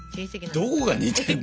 どこが似てるの？